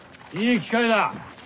いい機会だ。